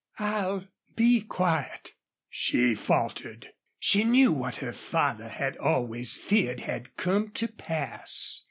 "I'll be quiet!" she faltered. She knew what her father had always feared had come to pass.